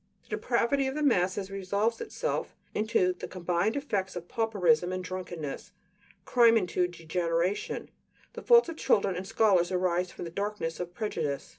The depravity of the masses resolves itself into the combined effects of pauperism and drunkenness; crime into degeneration; the faults of children and scholars arise from the darkness of prejudice.